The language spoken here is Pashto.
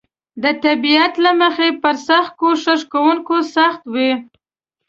د طبیعت له مخې پر سخت کوښښ کونکو سخت وي.